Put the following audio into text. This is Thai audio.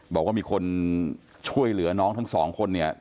บอกว่ามีคนช่วยเหลือน้องทั้งสองคนเนี่ย